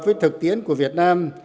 với thực tiến của việt nam